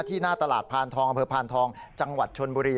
หน้าตลาดพานทองอำเภอพานทองจังหวัดชนบุรี